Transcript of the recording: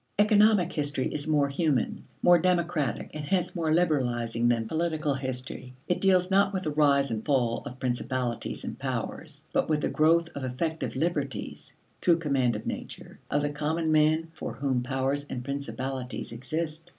Economic history is more human, more democratic, and hence more liberalizing than political history. It deals not with the rise and fall of principalities and powers, but with the growth of the effective liberties, through command of nature, of the common man for whom powers and principalities exist.